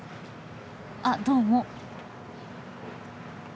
あっどうも。